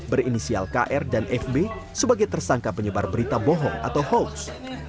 berinisial kr dan fb sebagai tersangka penyebar berita bohong atau hoax